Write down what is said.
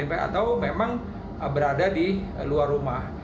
atau memang berada di luar rumah